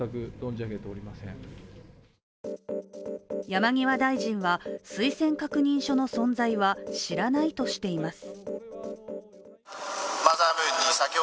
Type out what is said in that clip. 山際大臣は、推薦確認書の存在は知らないとしています。